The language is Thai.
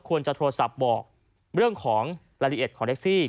โทรศัพท์บอกเรื่องของรายละเอียดของแท็กซี่